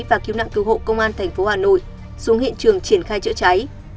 và cứu nạn cứu hộ công an tp hà nội xuống hiện trường triển khai chữa cháy